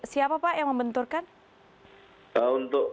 siapa pak yang membenturkan